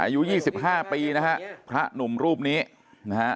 อายุยี่สิบห้าปีนะฮะพระหนุ่มรูปนี้นะฮะ